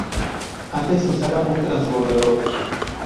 Antes, se usaba un transbordador.